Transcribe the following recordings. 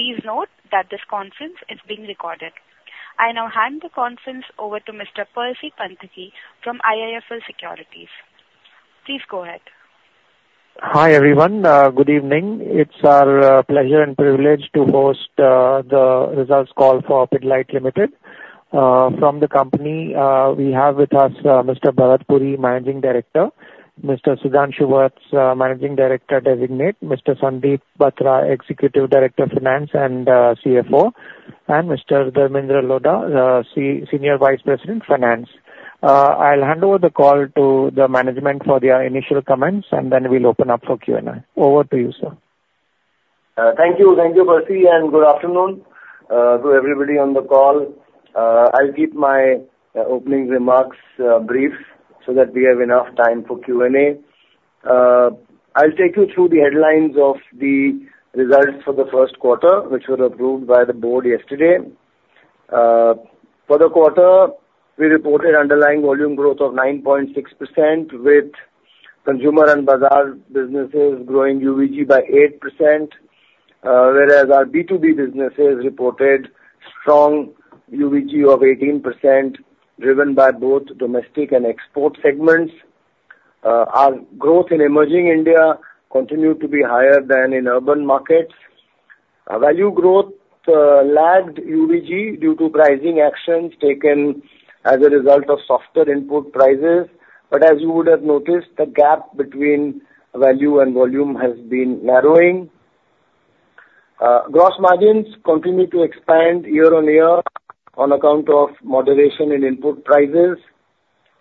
Please note that this conference is being recorded. I now hand the conference over to Mr. Percy Panthaki from IIFL Securities. Please go ahead. Hi, everyone. Good evening. It's our pleasure and privilege to host the results call for Pidilite Limited. From the company, we have with us Mr. Bharat Puri, Managing Director, Mr. Sudhanshu Vats, Managing Director Designate, Mr. Sandeep Batra, Executive Director of Finance and CFO, and Mr. Dharmendra Lodha, Senior Vice President, Finance. I'll hand over the call to the management for their initial comments, and then we'll open up for Q&A. Over to you, sir. Thank you. Thank you, Percy, and good afternoon to everybody on the call. I'll keep my opening remarks brief, so that we have enough time for Q&A. I'll take you through the headlines of the results for the first quarter, which were approved by the board yesterday. For the quarter, we reported underlying volume growth of 9.6%, with Consumer and Bazaar businesses growing UVG by 8%, whereas our B2B businesses reported strong UVG of 18%, driven by both domestic and export segments. Our growth in Emerging India continued to be higher than in urban markets. Our value growth lagged UVG due to pricing actions taken as a result of softer input prices, but as you would have noticed, the gap between value and volume has been narrowing. Gross margins continued to expand year-on-year on account of moderation in input prices,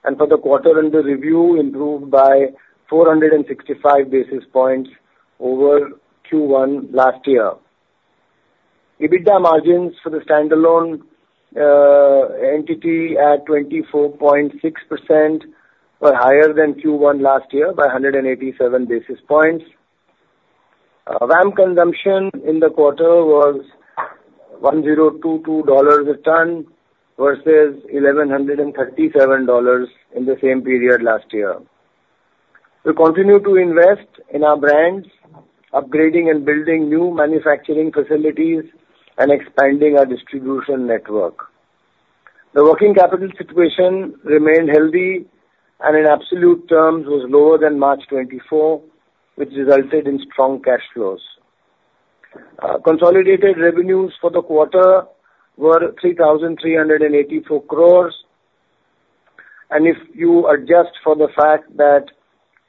and for the quarter under review, improved by 465 basis points over Q1 last year. EBITDA margins for the standalone entity at 24.6% were higher than Q1 last year by 187 basis points. VAM consumption in the quarter was $1,022 a ton, versus $1,137 in the same period last year. We continue to invest in our brands, upgrading and building new manufacturing facilities and expanding our distribution network. The working capital situation remained healthy, and in absolute terms, was lower than March 2024, which resulted in strong cash flows. Consolidated revenues for the quarter were 3,384 crores, and if you adjust for the fact that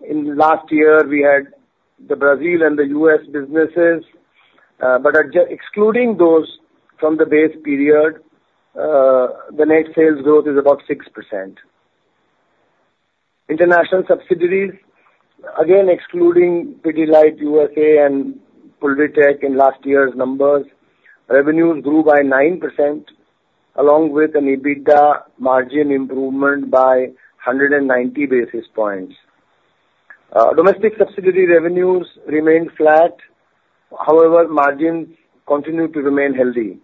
in last year we had the Brazil and the US businesses, but adjust excluding those from the base period, the net sales growth is about 6%. International subsidiaries, again, excluding Pidilite U.S.A. and Pulvitec in last year's numbers, revenues grew by 9%, along with an EBITDA margin improvement by 190 basis points. Domestic subsidiary revenues remained flat. However, margins continued to remain healthy.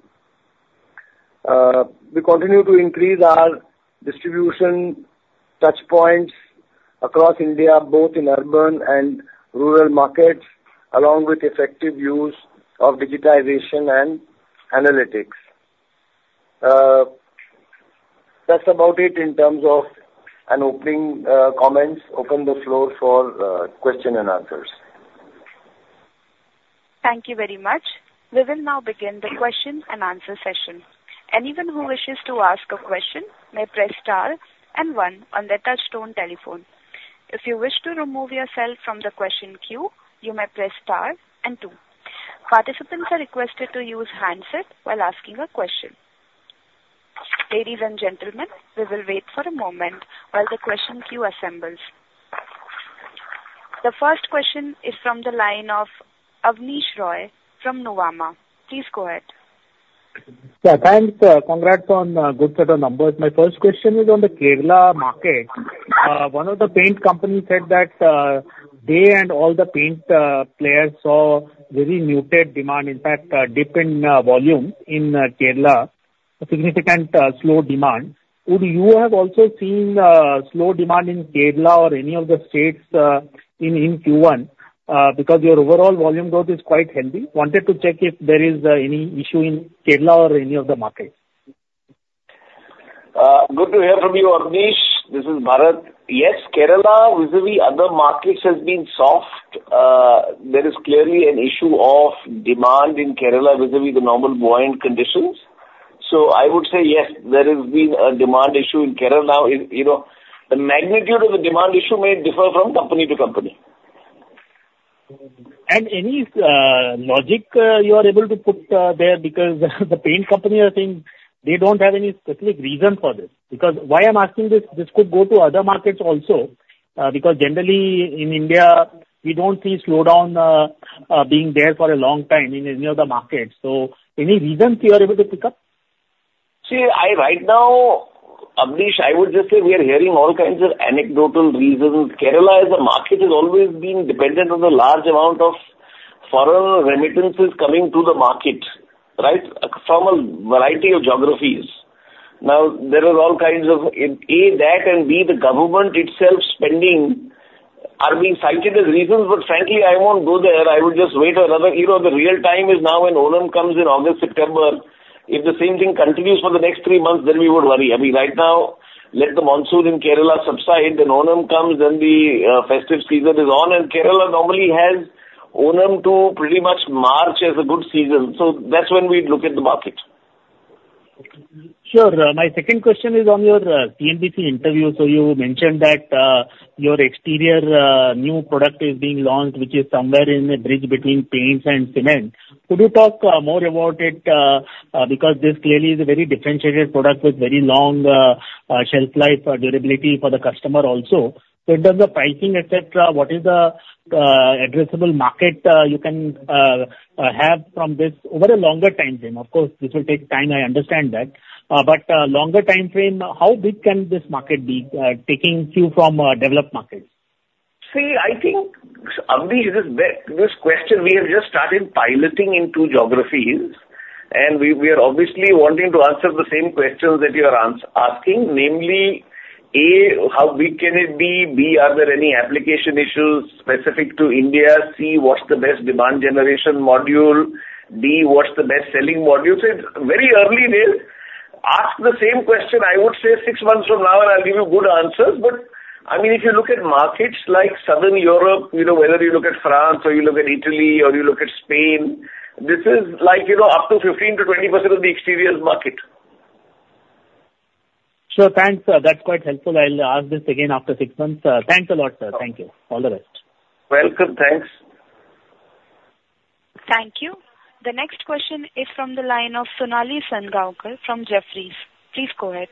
We continue to increase our distribution touchpoints across India, both in urban and rural markets, along with effective use of digitization and analytics. That's about it in terms of an opening comments. Open the floor for question and answers. Thank you very much. We will now begin the question and answer session. Anyone who wishes to ask a question may press star and one on their touchtone telephone. If you wish to remove yourself from the question queue, you may press star and two. Participants are requested to use handset while asking a question. Ladies and gentlemen, we will wait for a moment while the question queue assembles. The first question is from the line of Abneesh Roy from Nuvama. Please go ahead. Yeah, thanks. Congrats on good set of numbers. My first question is on the Kerala market. One of the paint companies said that they and all the paint players saw very muted demand, in fact, dip in volume in Kerala, a significant slow demand. Would you have also seen slow demand in Kerala or any of the states in Q1? Because your overall volume growth is quite healthy. Wanted to check if there is any issue in Kerala or any of the markets. Good to hear from you, Abneesh. This is Bharat. Yes, Kerala, vis-a-vis other markets, has been soft. There is clearly an issue of demand in Kerala vis-a-vis the normal buoyant conditions. So I would say yes, there has been a demand issue in Kerala. You, you know, the magnitude of the demand issue may differ from company to company. Any logic you are able to put there? Because the paint companies are saying they don't have any specific reason for this. Because why I'm asking this, this could go to other markets also, because generally in India, we don't see slowdown being there for a long time in any of the markets. So any reasons you are able to pick up? See, right now, Abneesh, I would just say we are hearing all kinds of anecdotal reasons. Kerala as a market has always been dependent on the large amount of foreign remittances coming to the market, right? From a variety of geographies. Now, there are all kinds of, A, that and B, the government itself spending-... are being cited as reasons, but frankly, I won't go there. I would just wait another, you know, the real time is now when Onam comes in August, September. If the same thing continues for the next three months, then we would worry. I mean, right now, let the monsoon in Kerala subside, then Onam comes, then the festive season is on, and Kerala normally has Onam to pretty much March as a good season. So that's when we'd look at the market. Sure. My second question is on your, CNBC interview. So you mentioned that, your exterior, new product is being launched, which is somewhere in a bridge between paints and cement. Could you talk, more about it, because this clearly is a very differentiated product with very long, shelf life or durability for the customer also. So in terms of pricing, et cetera, what is the, addressable market, you can, have from this over a longer time frame? Of course, this will take time, I understand that. But, longer time frame, how big can this market be, taking cue from, developed markets? See, I think, Abneesh, this question, we have just started piloting in two geographies, and we are obviously wanting to answer the same questions that you are asking. Namely, A, how big can it be? B, are there any application issues specific to India? C, what's the best demand generation module? D, what's the best selling module? So it's very early days. Ask the same question, I would say six months from now, and I'll give you good answers. But, I mean, if you look at markets like Southern Europe, you know, whether you look at France or you look at Italy or you look at Spain, this is like, you know, up to 15%-20% of the exterior market. Sure, thanks, sir. That's quite helpful. I'll ask this again after six months. Thanks a lot, sir. Thank you. All the best. Welcome. Thanks. Thank you. The next question is from the line of Sonali Salgaonkar from Jefferies. Please go ahead.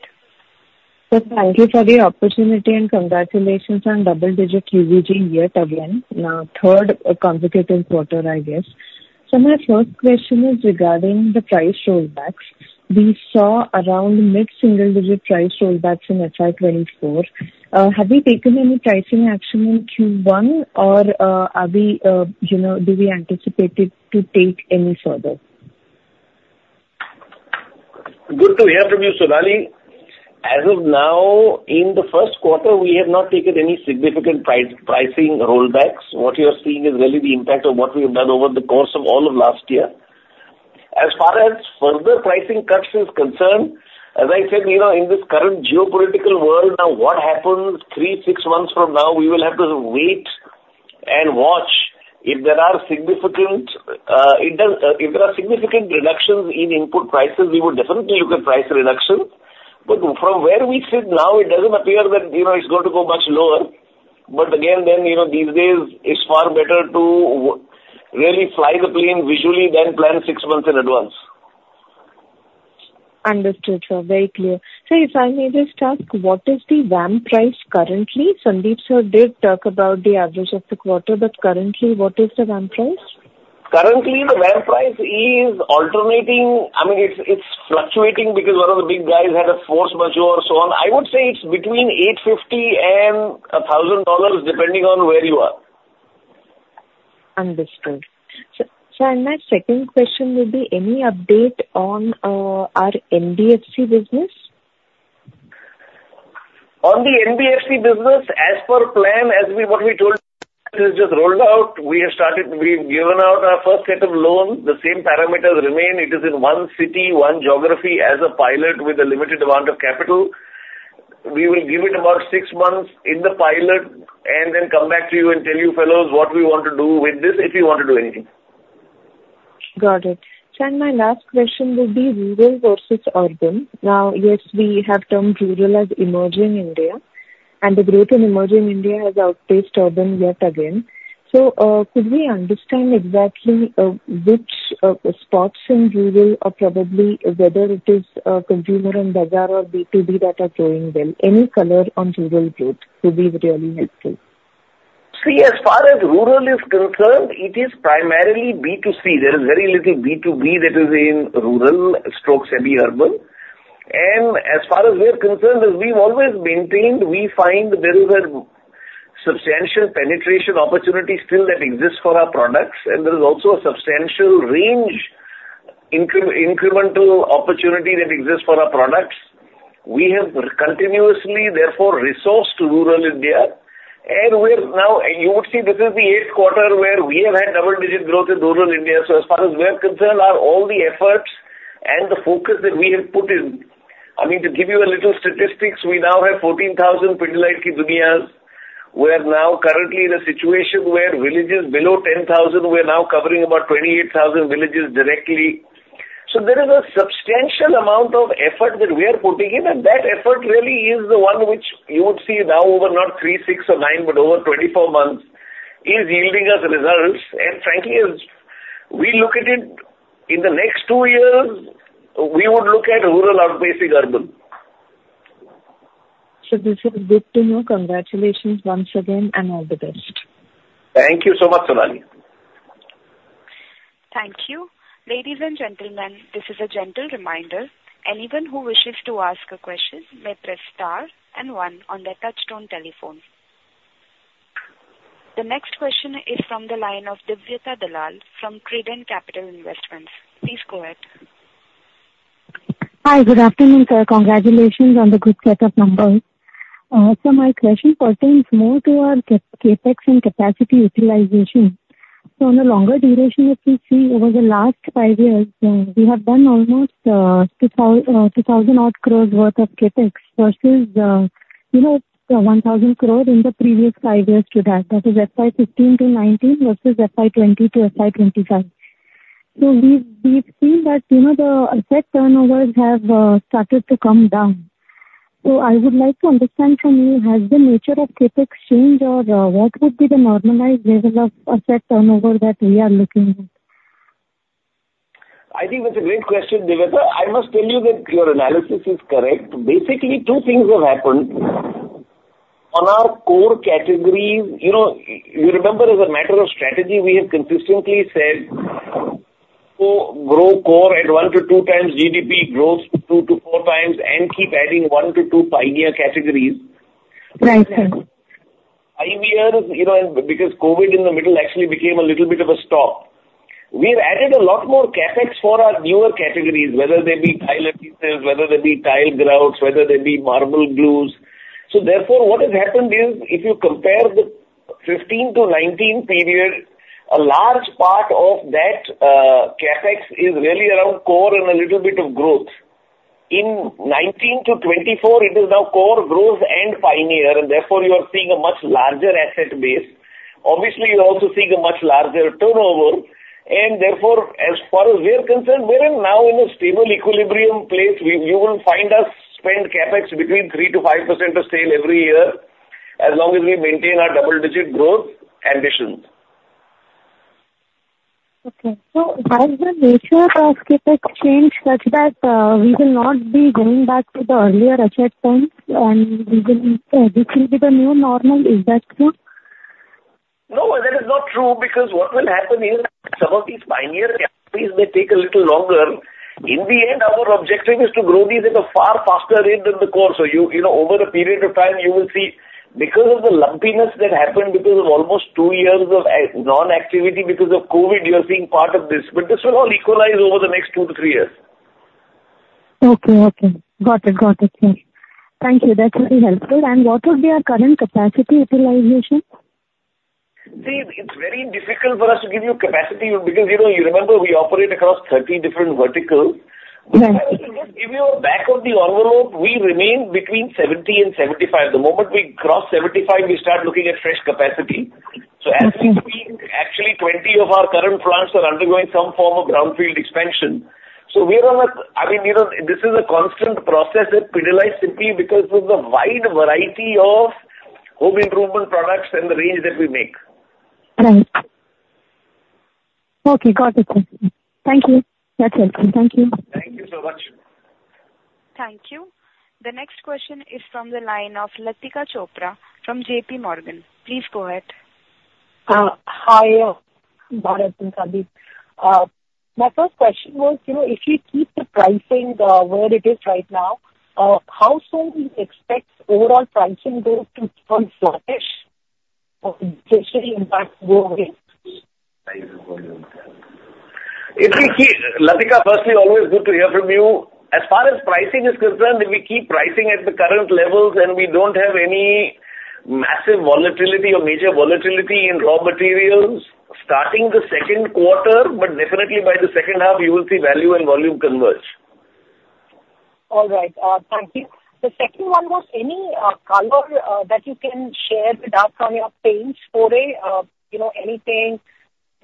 So thank you for the opportunity, and congratulations on double-digit UVG yet again, now third consecutive quarter, I guess. So my first question is regarding the price rollbacks. We saw around mid-single-digit price rollbacks in FY 2024. Have you taken any pricing action in Q1, or, are we, you know, do we anticipate it to take any further? Good to hear from you, Sonali. As of now, in the first quarter, we have not taken any significant pricing rollbacks. What you are seeing is really the impact of what we have done over the course of all of last year. As far as further pricing cuts is concerned, as I said, you know, in this current geopolitical world, now, what happens 3, 6 months from now, we will have to wait and watch. If there are significant reductions in input prices, we would definitely look at price reduction. But from where we sit now, it doesn't appear that, you know, it's going to go much lower. But again, then, you know, these days it's far better to really fly the plane visually than plan six months in advance. Understood, sir. Very clear. Sir, if I may just ask, what is the VAM price currently? Sandeep, sir, did talk about the average of the quarter, but currently, what is the VAM price? Currently, the VAM price is alternating. I mean, it's fluctuating because one of the big guys had a force majeure, so on. I would say it's between $850 and $1,000, depending on where you are. Understood. So, sir, my second question would be any update on our NBFC business? On the NBFC business, as per plan, as we told you, it has just rolled out. We have started, we've given out our first set of loans. The same parameters remain. It is in one city, one geography, as a pilot with a limited amount of capital. We will give it about six months in the pilot and then come back to you and tell you fellows what we want to do with this, if we want to do anything. Got it. Sir, my last question would be rural versus urban. Now, yes, we have termed rural as Emerging India, and the growth in Emerging India has outpaced urban yet again. So, could we understand exactly, which spots in rural are probably, whether it is, consumer and bazaar or B2B that are growing well? Any color on rural growth would be really helpful. See, as far as rural is concerned, it is primarily B2C. There is very little B2B that is in rural/semi-urban. And as far as we're concerned, as we've always maintained, we find there is a substantial penetration opportunity still that exists for our products, and there is also a substantial range incremental opportunity that exists for our products. We have continuously, therefore, resourced to rural India, and we're now... You would see this is the eighth quarter where we have had double-digit growth in rural India. So as far as we're concerned, our all the efforts and the focus that we have put in... I mean, to give you a little statistics, we now have 14,000 Pidilite Ki Duniyas. We're now currently in a situation where villages below 10,000, we're now covering about 28,000 villages directly. There is a substantial amount of effort that we are putting in, and that effort really is the one which you would see now over not 3, 6 or 9, but over 24 months, is yielding us results. Frankly, as we look at it, in the next 2 years, we would look at rural outpacing urban. This is good to know. Congratulations once again, and all the best. Thank you so much, Sonali. Thank you. Ladies and gentlemen, this is a gentle reminder. Anyone who wishes to ask a question may press star and one on their touch-tone telephone. The next question is from the line of Divya Dalal from Credent Asset Management. Please go ahead. Hi, good afternoon, sir. Congratulations on the good set of numbers. So my question pertains more to our CapEx and capacity utilization. So on a longer duration, if you see over the last five years, we have done almost 6,000-odd crore worth of CapEx versus, you know, 1,000 crore in the previous five years to that. That is FY 2015 to 2019 versus FY 2020 to FY 2025. So we, we've seen that, you know, the asset turnovers have started to come down. So I would like to understand from you, has the nature of CapEx changed, or what would be the normalized level of asset turnover that we are looking at? I think that's a great question, Divya. I must tell you that your analysis is correct. Basically, two things have happened. On our core categories, you know, you remember, as a matter of strategy, we have consistently said, "Go grow core at 1-2 times, GDP growth 2-4 times, and keep adding 1-2 pioneer categories. Right, sir. Five years, you know, and because COVID in the middle actually became a little bit of a stop. We've added a lot more CapEx for our newer categories, whether they be tile adhesives, whether they be tile grouts, whether they be marble glues. So therefore, what has happened is, if you compare the 15-19 period, a large part of that, CapEx is really around core and a little bit of growth. In 19-24, it is now core growth and pioneer, and therefore, you are seeing a much larger asset base. Obviously, you're also seeing a much larger turnover, and therefore, as far as we're concerned, we are now in a stable equilibrium place. You will find us spend CapEx between 3%-5% of sale every year, as long as we maintain our double-digit growth ambitions. Okay. So has the nature of CapEx changed such that we will not be going back to the earlier asset turns, and we will. This will be the new normal, is that true? No, that is not true, because what will happen is some of these pioneer categories may take a little longer. In the end, our objective is to grow these at a far faster rate than the core. So you, you know, over a period of time, you will see because of the lumpiness that happened because of almost two years of non-activity because of COVID, you are seeing part of this. But this will all equalize over the next two to three years. Okay. Okay. Got it, got it. Thank you. Thank you, that's very helpful. And what would be our current capacity utilization? See, it's very difficult for us to give you capacity, because, you know, you remember we operate across 30 different verticals. Right. If you are back on the envelope, we remain between 70 and 75. The moment we cross 75, we start looking at fresh capacity. Mm-hmm. As we speak, actually, 20 of our current plants are undergoing some form of brownfield expansion. We are on a... I mean, you know, this is a constant process that analyzes simply because of the wide variety of home improvement products and the range that we make. Right. Okay, got it. Thank you. That's helpful. Thank you. Thank you so much. Thank you. The next question is from the line of Latika Chopra from J.P. Morgan. Please go ahead. Hi, Bharat and Sandeep. My first question was, you know, if you keep the pricing where it is right now, how soon do you expect overall pricing growth to turn flattish? Or should the impact go away? Latika, firstly, always good to hear from you. As far as pricing is concerned, if we keep pricing at the current levels and we don't have any massive volatility or major volatility in raw materials, starting the second quarter, but definitely by the second half, you will see value and volume converge. All right, thank you. The second one was any color that you can share with us on your paints foray? You know, anything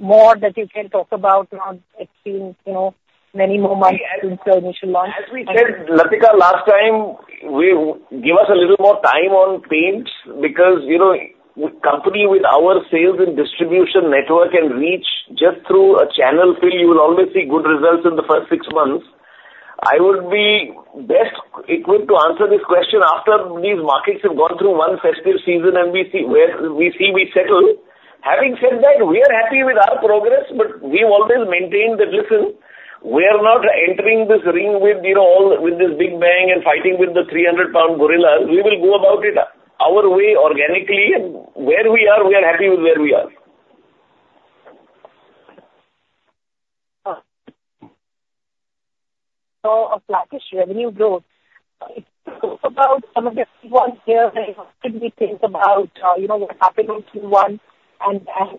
more that you can talk about now it's been, you know, many more months since the initial launch. As we said, Latika, last time, give us a little more time on paints because, you know, a company with our sales and distribution network and reach, just through a channel fill, you will always see good results in the first six months. I would be best equipped to answer this question after these markets have gone through one festive season, and we see where we settle. Having said that, we are happy with our progress, but we've always maintained that: Listen, we are not entering this ring with, you know, all, with this big bang and fighting with the three hundred pound gorillas. We will go about it our way, organically. Where we are, we are happy with where we are. So a flattish revenue growth. About some of the underlying, and what do we think about, you know, what happened in Q1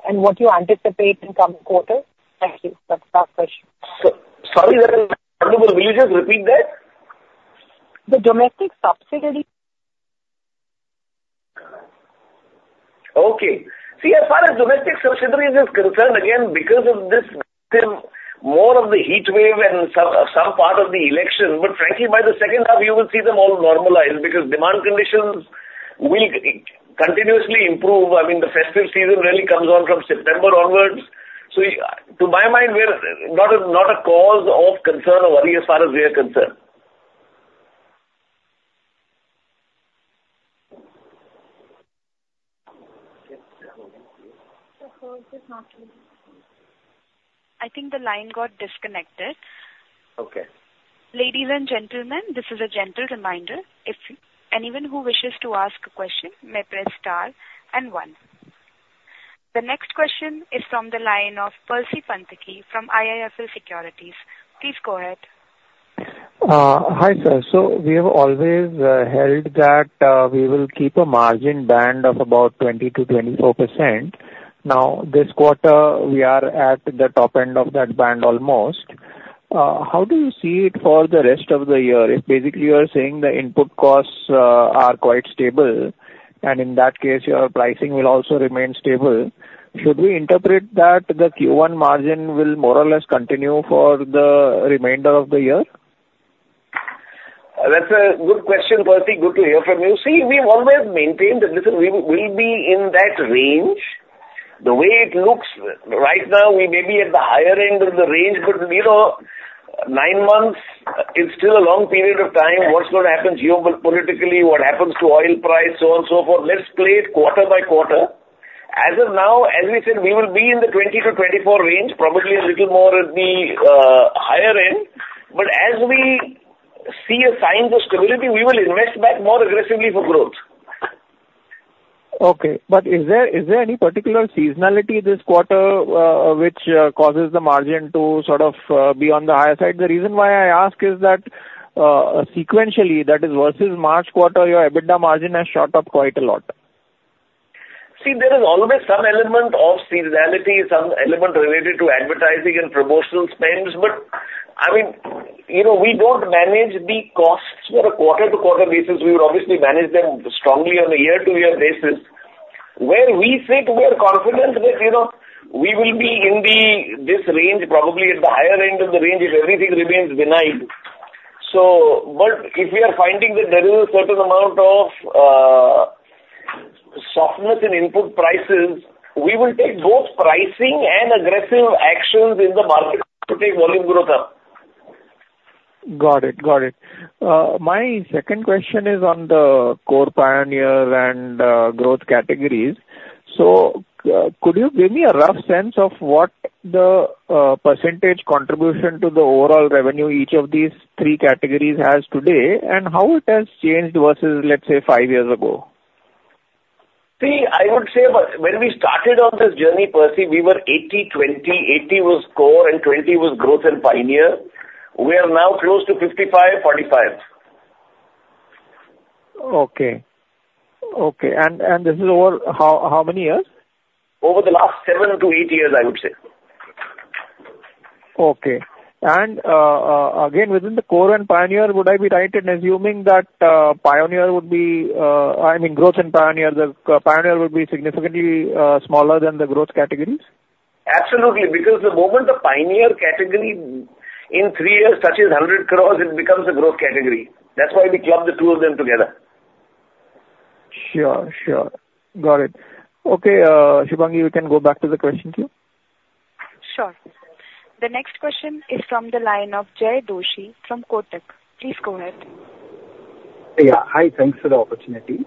and what you anticipate in coming quarters? Thank you. That's my question. Sorry, Latika, will you just repeat that? The domestic subsidiary. Okay. See, as far as domestic subsidiaries is concerned, again, because of this, more of the heat wave and some part of the election, but frankly, by the second half, you will see them all normalize because demand conditions will continuously improve. I mean, the festive season really comes on from September onwards. So, to my mind, we're not a, not a cause of concern or worry as far as we are concerned.... I think the line got disconnected. Okay. Ladies and gentlemen, this is a gentle reminder. If anyone who wishes to ask a question may press star and one... The next question is from the line of Percy Panthaki from IIFL Securities. Please go ahead. Hi, sir. So we have always held that we will keep a margin band of about 20%-24%. Now, this quarter, we are at the top end of that band almost. How do you see it for the rest of the year? If basically you are saying the input costs are quite stable, and in that case, your pricing will also remain stable, should we interpret that the Q1 margin will more or less continue for the remainder of the year? That's a good question, Percy. Good to hear from you. See, we've always maintained that, listen, we will, will be in that range. The way it looks right now, we may be at the higher end of the range, but, you know, 9 months is still a long period of time. What's going to happen geopolitically, what happens to oil price, so on, so forth. Let's play it quarter by quarter. As of now, as we said, we will be in the 20-24 range, probably a little more at the higher end. But as we see a sign of stability, we will invest back more aggressively for growth. Okay, but is there any particular seasonality this quarter which causes the margin to sort of be on the higher side? The reason why I ask is that, sequentially, that is, versus March quarter, your EBITDA margin has shot up quite a lot. See, there is always some element of seasonality, some element related to advertising and promotional spends. But, I mean, you know, we don't manage the costs on a quarter-to-quarter basis. We would obviously manage them strongly on a year-to-year basis. Where we think we are confident that, you know, we will be in this range, probably at the higher end of the range, if everything remains benign. So... But if we are finding that there is a certain amount of softness in input prices, we will take both pricing and aggressive actions in the market to take volume growth up. Got it. Got it. My second question is on the core, pioneer, and growth categories. So, could you give me a rough sense of what the percentage contribution to the overall revenue each of these three categories has today, and how it has changed versus, let's say, five years ago? See, I would say, when we started on this journey, Percy, we were 80/20. 80 was core and 20 was growth and pioneer. We are now close to 55/45. Okay. Okay, and this is over how many years? Over the last 7 to 8 years, I would say. Okay. And, again, within the core and pioneer, would I be right in assuming that pioneer would be, I mean, growth and pioneer, the pioneer would be significantly smaller than the growth categories? Absolutely, because the moment the pioneer category in three years touches 100 crore, it becomes a growth category. That's why we clubbed the two of them together. Sure, sure. Got it. Okay, Shubhangi, you can go back to the question queue. Sure. The next question is from the line of Jay Doshi from Kotak. Please go ahead. Yeah. Hi, thanks for the opportunity.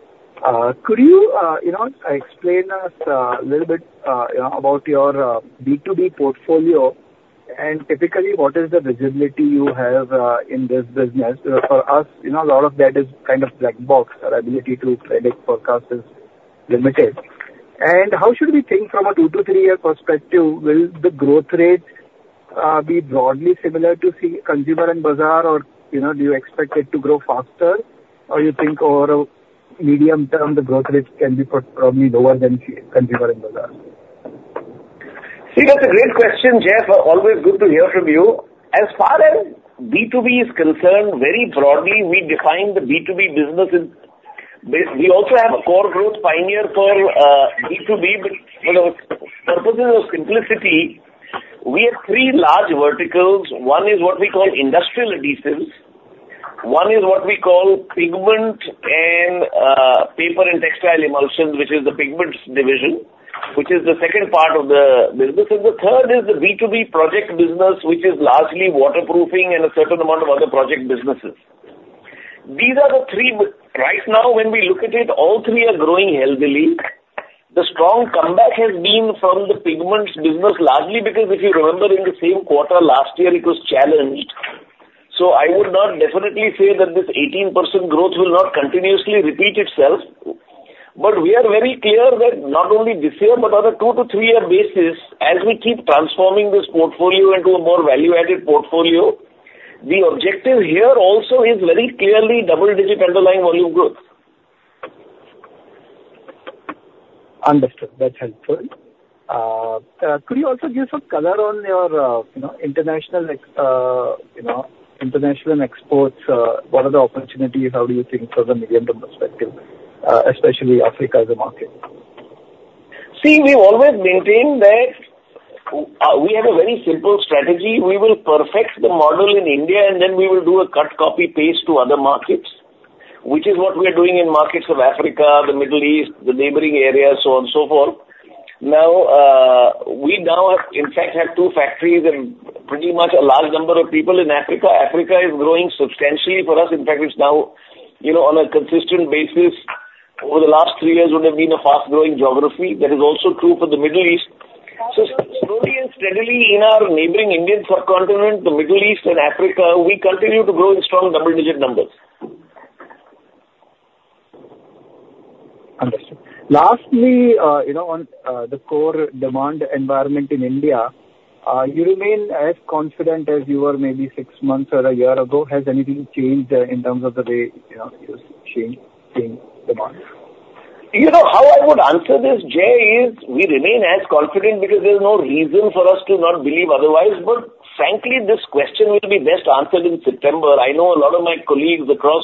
Could you, you know, explain us a little bit, you know, about your B2B portfolio, and typically, what is the visibility you have in this business? For us, you know, a lot of that is kind of black box. Our ability to predict, forecast is limited. And how should we think from a 2- to 3-year perspective, will the growth rate be broadly similar to, say, consumer and bazaar, or, you know, do you expect it to grow faster? Or you think over a medium term, the growth rate can be probably lower than consumer and bazaar? See, that's a great question, Jay. So always good to hear from you. As far as B2B is concerned, very broadly, we define the B2B business in... We also have a core growth pioneer for, B2B, but, you know, purposes of simplicity, we have three large verticals. One is what we call industrial adhesives. One is what we call pigment and, paper and textile emulsion, which is the pigments division, which is the second part of the business. And the third is the B2B project business, which is largely waterproofing and a certain amount of other project businesses. These are the three. Right now, when we look at it, all three are growing healthily. The strong comeback has been from the pigments business, largely because if you remember in the same quarter last year, it was challenged. I would not definitely say that this 18% growth will not continuously repeat itself. We are very clear that not only this year, but on a 2- to 3-year basis, as we keep transforming this portfolio into a more value-added portfolio, the objective here also is very clearly double-digit underlying volume growth. Understood. That's helpful. Could you also give some color on your, you know, international, you know, international exports? What are the opportunities? How do you think for the medium-term perspective, especially Africa as a market? See, we always maintain that, we have a very simple strategy. We will perfect the model in India, and then we will do a cut, copy, paste to other markets, which is what we are doing in markets of Africa, the Middle East, the neighboring areas, so on, so forth. Now, we now have, in fact, have two factories and pretty much a large number of people in Africa. Africa is growing substantially for us. In fact, it's now, you know, on a consistent basis, over the last three years would have been a fast-growing geography. That is also true for the Middle East. So slowly and steadily, in our neighboring Indian subcontinent, the Middle East and Africa, we continue to grow in strong double-digit numbers. ...Understood. Lastly, you know, on the core demand environment in India, you remain as confident as you were maybe six months or a year ago? Has anything changed, in terms of the way, you know, you're seeing demand? You know, how I would answer this, Jay, is we remain as confident because there's no reason for us to not believe otherwise. But frankly, this question will be best answered in September. I know a lot of my colleagues across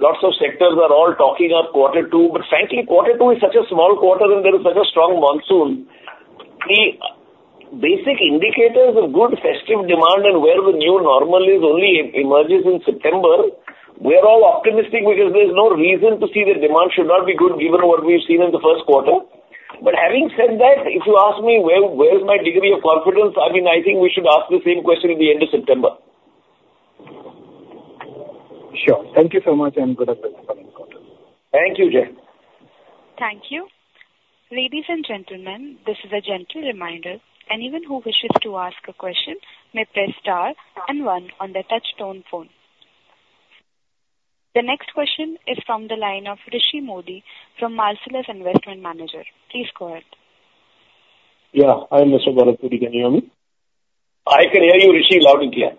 lots of sectors are all talking up quarter two, but frankly, quarter two is such a small quarter, and there is such a strong monsoon. The basic indicators of good festive demand and where the new normal is only emerges in September. We are all optimistic because there's no reason to see that demand should not be good, given what we've seen in the first quarter. But having said that, if you ask me where, where is my degree of confidence, I mean, I think we should ask the same question in the end of September. Sure. Thank you so much, and good luck with the coming quarter. Thank you, Jay. Thank you. Ladies and gentlemen, this is a gentle reminder. Anyone who wishes to ask a question may press star and one on their touchtone phone. The next question is from the line of Rishi Modi from Marcellus Investment Managers. Please go ahead. Yeah. Hi, Mr. Bharat Puri, can you hear me? I can hear you, Rishi, loud and clear.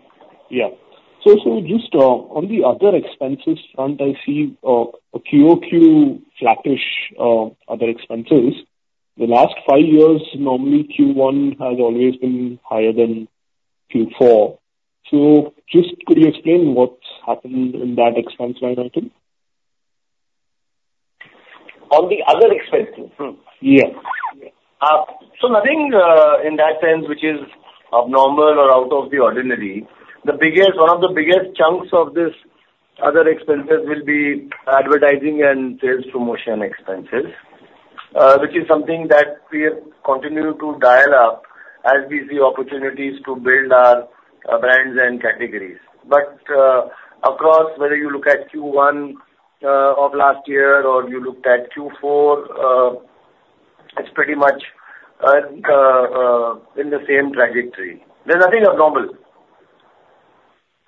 Yeah. So, so just, on the other expenses front, I see, a QOQ flattish, other expenses. The last five years, normally, Q1 has always been higher than Q4. So just could you explain what's happened in that expense line item? On the other expenses? Hmm, yeah. So nothing in that sense, which is abnormal or out of the ordinary. One of the biggest chunks of this other expenses will be advertising and sales promotion expenses, which is something that we have continued to dial up as we see opportunities to build our brands and categories. But across, whether you look at Q1 of last year or you looked at Q4, it's pretty much in the same trajectory. There's nothing abnormal.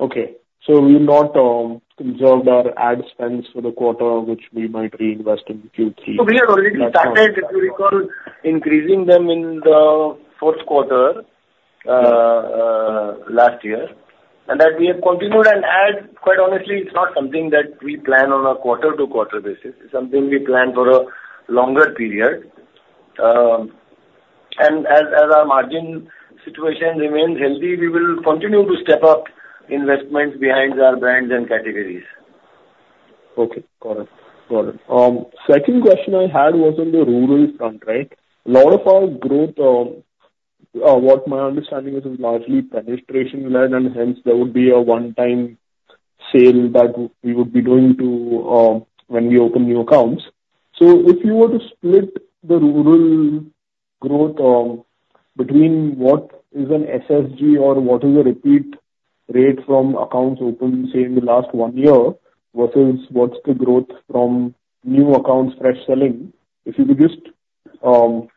Okay. So we've not conserved our ad spends for the quarter, which we might reinvest in Q3. So we have already started, if you recall, increasing them in the fourth quarter last year, and that we have continued. And, quite honestly, it's not something that we plan on a quarter-to-quarter basis. It's something we plan for a longer period. And as our margin situation remains healthy, we will continue to step up investments behind our brands and categories. Okay, got it. Got it. Second question I had was on the rural front, right? A lot of our growth, what my understanding is, is largely penetration led, and hence there would be a one-time sale that we would be doing to, when we open new accounts. So if you were to split the rural growth, between what is an SSG or what is a repeat rate from accounts opened, say, in the last one year, versus what's the growth from new accounts, fresh selling, if you could just,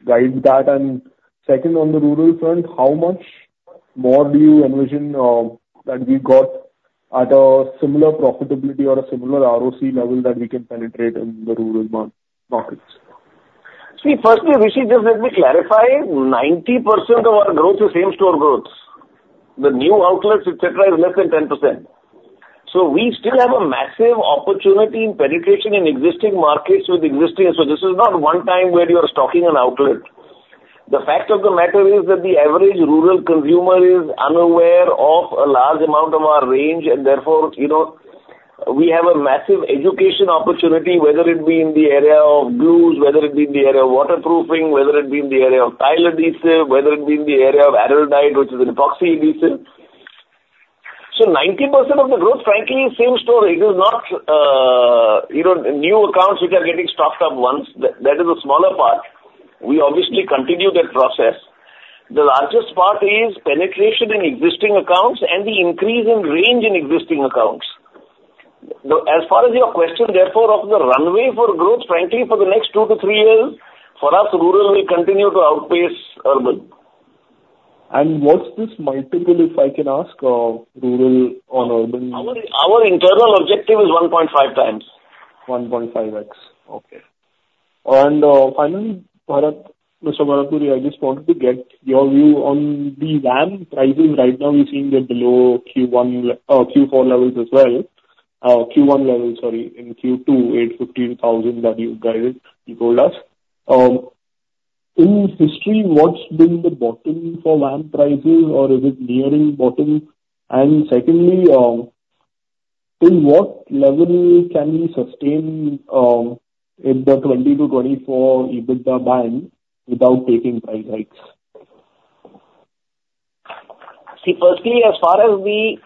guide that. And second, on the rural front, how much more do you envision, that we've got at a similar profitability or a similar ROC level that we can penetrate in the rural markets? See, firstly, Rishi, just let me clarify, 90% of our growth is same-store growth. The new outlets, et cetera, is less than 10%. So we still have a massive opportunity in penetration in existing markets with existing... So this is not one time where you are stocking an outlet. The fact of the matter is that the average rural consumer is unaware of a large amount of our range, and therefore, you know, we have a massive education opportunity, whether it be in the area of glues, whether it be in the area of waterproofing, whether it be in the area of tile adhesive, whether it be in the area of Araldite, which is an epoxy adhesive. So 90% of the growth, frankly, is same store. It is not, you know, new accounts which are getting stocked up once. That is a smaller part. We obviously continue that process. The largest part is penetration in existing accounts and the increase in range in existing accounts. As far as your question, therefore, of the runway for growth, frankly, for the next 2-3 years, for us, rural will continue to outpace urban. What's this multiple, if I can ask, rural or urban? Our internal objective is 1.5 times. 1.5x. Okay. And finally, Bharat, Mr. Bharat Puri, I just wanted to get your view on the VAM prices. Right now, we're seeing them below Q1 Q4 levels as well. Q1 levels, sorry, in Q2 8,150 that you guided—you told us. In history, what's been the bottom for VAM prices, or is it nearing bottom? And secondly, in what level can we sustain in the 20-24 EBITDA band without taking price hikes? See, firstly, as far as the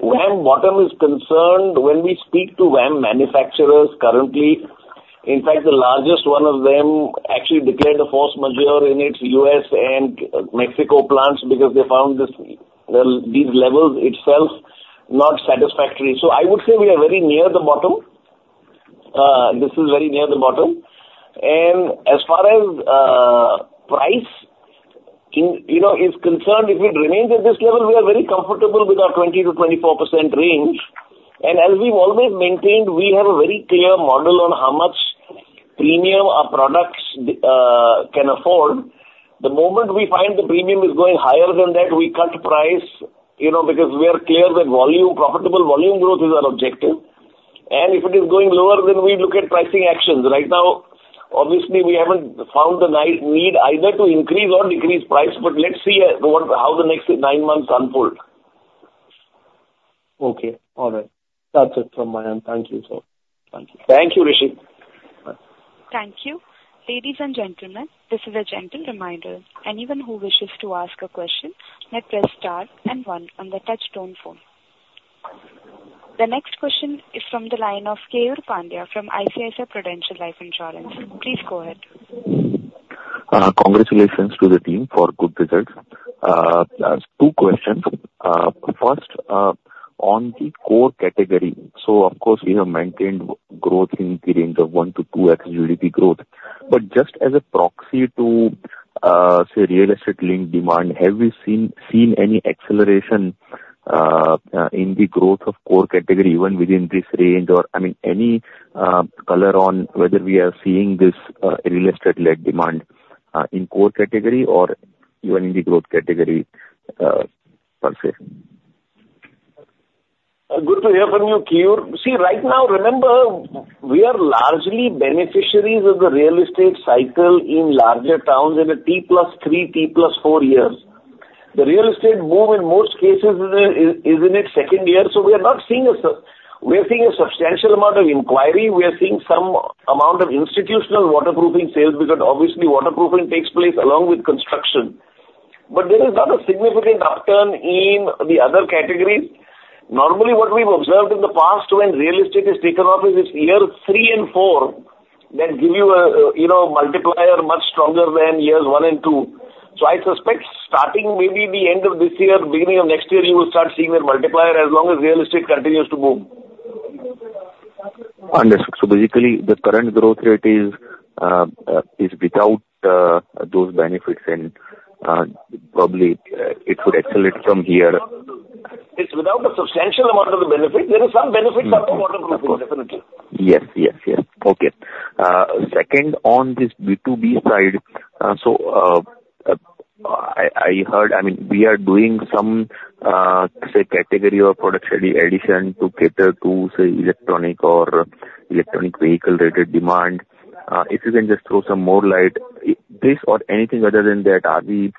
VAM bottom is concerned, when we speak to VAM manufacturers currently, in fact, the largest one of them actually declared a force majeure in its U.S. and Mexico plants because they found this, well, these levels itself not satisfactory. So I would say we are very near the bottom. This is very near the bottom. And as far as price... You know, is concerned, if it remains at this level, we are very comfortable with our 20%-24% range. And as we've always maintained, we have a very clear model on how much premium our products can afford. The moment we find the premium is going higher than that, we cut price, you know, because we are clear that volume, profitable volume growth is our objective. And if it is going lower, then we look at pricing actions. Right now, obviously, we haven't found the need either to increase or decrease price, but let's see what, how the next nine months unfold. Okay. All right. That's it from my end. Thank you, sir. Thank you. Thank you, Rishi. Thank you. Ladies and gentlemen, this is a gentle reminder. Anyone who wishes to ask a question, may press Star and One on the touchtone phone. The next question is from the line of Keyur Pandya from ICICI Prudential Life Insurance. Please go ahead. Congratulations to the team for good results. I have two questions. First, on the core category. So of course, we have maintained growth in the range of 1-2x GDP growth. But just as a proxy to, say, real estate link demand, have you seen any acceleration in the growth of core category, even within this range? Or, I mean, any color on whether we are seeing this real estate-led demand in core category or even in the growth category, per se? Good to hear from you, Keyur. See, right now, remember, we are largely beneficiaries of the real estate cycle in larger towns in the T plus three, T plus four years. The real estate boom, in most cases, is in its second year, so we are not seeing a sub-- We are seeing a substantial amount of inquiry. We are seeing some amount of institutional waterproofing sales, because obviously waterproofing takes place along with construction. But there is not a significant upturn in the other categories. Normally, what we've observed in the past when real estate has taken off, is it's year three and four that give you a, you know, multiplier much stronger than years one and two. So I suspect starting maybe the end of this year, beginning of next year, you will start seeing that multiplier as long as real estate continues to boom. Understood. So basically, the current growth rate is without those benefits, and probably it would accelerate from here. It's without a substantial amount of the benefit. There is some benefit for waterproofing, definitely. Yes, yes, yes. Okay. Second, on this B2B side, I heard—I mean, we are doing some say category or product study addition to cater to say electronic or electronic vehicle-related demand. If you can just throw some more light on this or anything other than that, are we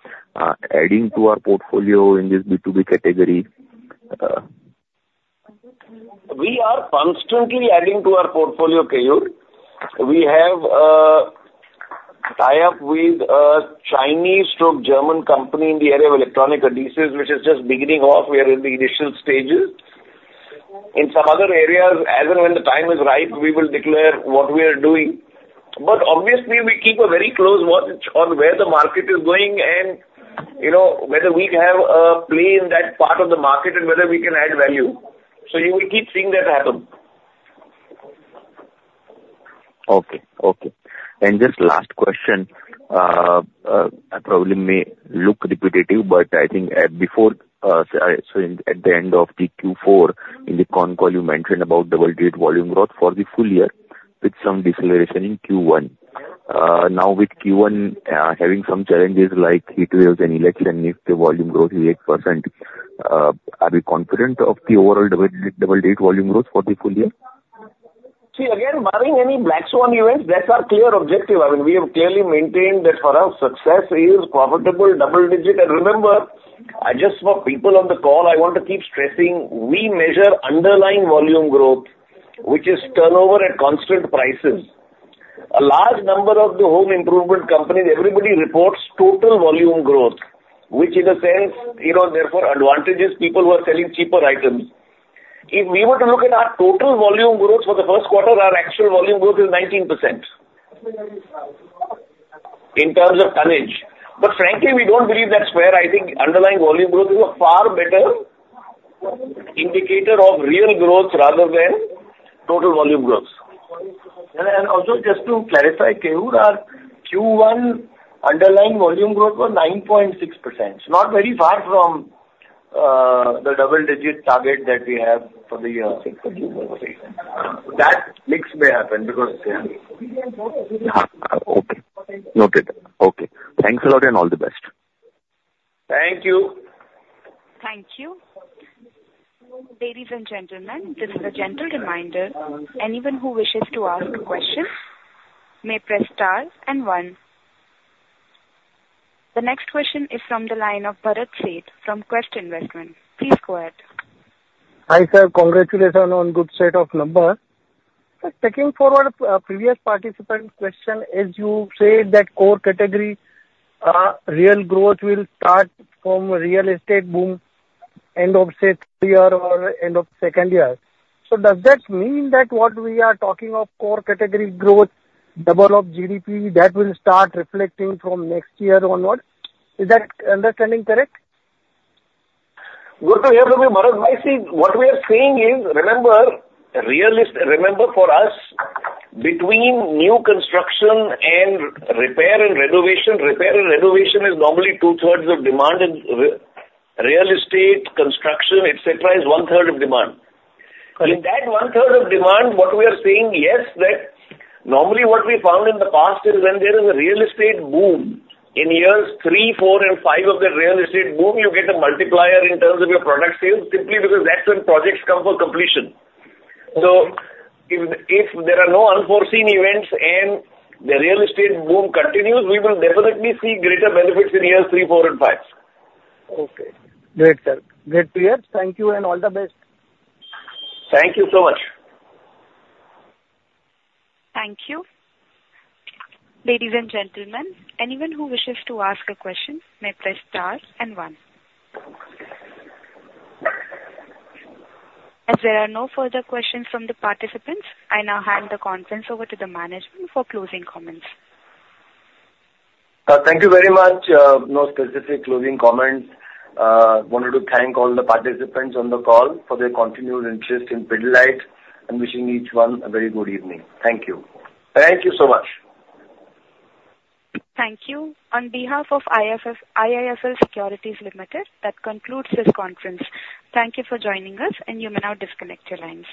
adding to our portfolio in this B2B category? We are constantly adding to our portfolio, Keyur. We have a tie-up with a Chinese/German company in the area of electronic adhesives, which is just beginning off. We are in the initial stages. In some other areas, as and when the time is right, we will declare what we are doing. But obviously we keep a very close watch on where the market is going and, you know, whether we have a play in that part of the market and whether we can add value. So you will keep seeing that happen. Okay. Okay. And just last question, it probably may look repetitive, but I think, before, so at, at the end of the Q4, in the con call, you mentioned about double-digit volume growth for the full year with some deceleration in Q1. Now, with Q1, having some challenges like heat waves and election, if the volume growth is 8%, are we confident of the overall double-digit, double-digit volume growth for the full year? See, again, barring any black swan events, that's our clear objective. I mean, we have clearly maintained that for us, success is profitable, double digit. And remember, just for people on the call, I want to keep stressing, we measure underlying volume growth, which is turnover at constant prices. A large number of the home improvement companies, everybody reports total volume growth, which in a sense, you know, therefore, advantages people who are selling cheaper items. If we were to look at our total volume growth for the first quarter, our actual volume growth is 19%... in terms of tonnage. But frankly, we don't believe that's where I think underlying volume growth is a far better indicator of real growth rather than total volume growth. Also, just to clarify, Keyur, our Q1 underlying volume growth was 9.6%. It's not very far from the double-digit target that we have for the year. That mix may happen because, yeah. Okay. Noted. Okay. Thanks a lot, and all the best. Thank you. Thank you. Ladies and gentlemen, this is a gentle reminder. Anyone who wishes to ask a question may press Star and One. The next question is from the line of Bharat Sheth from Quest Investment. Please go ahead. Hi, sir. Congratulations on good set of numbers. Taking forward, previous participant question, as you said, that core category, real growth will start from real estate boom, end of, say, 3-year or end of second year. So does that mean that what we are talking of core category growth, double of GDP, that will start reflecting from next year onward? Is that understanding correct? Good to hear from you, Bharat. I see, what we are saying is, remember, for us, between new construction and repair and renovation, repair and renovation is normally two-thirds of demand, and real estate, construction, et cetera, is one-third of demand. Got it. In that one-third of demand, what we are saying, yes, that normally what we found in the past is when there is a real estate boom, in years three, four, and five of the real estate boom, you get a multiplier in terms of your product sales, simply because that's when projects come for completion. So if there are no unforeseen events and the real estate boom continues, we will definitely see greater benefits in years three, four, and five. Okay. Great, sir. Great to hear. Thank you, and all the best. Thank you so much. Thank you. Ladies and gentlemen, anyone who wishes to ask a question may press Star and One. As there are no further questions from the participants, I now hand the conference over to the management for closing comments. Thank you very much. No specific closing comments. Wanted to thank all the participants on the call for their continued interest in Pidilite, and wishing each one a very good evening. Thank you. Thank you so much. Thank you. On behalf of IIFL Securities Limited, that concludes this conference. Thank you for joining us, and you may now disconnect your lines.